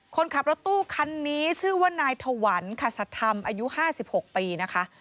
คนขับรถตู้คันนี้ชื่อว่านายถวันคัสธรรมอายุ๕๖ปีนะคะ